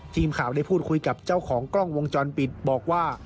ทีมข่าวได้พูดคุยกับเจ้าของกล้องวงจรปิดบอกว่า